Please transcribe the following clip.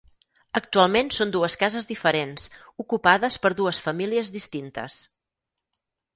Actualment són dues cases diferents ocupades per dues famílies distintes.